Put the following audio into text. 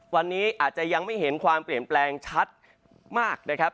วันนี้อาจจะยังไม่เห็นความเปลี่ยนแปลงชัดมากนะครับ